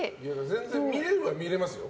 全然見れるは見れますよ。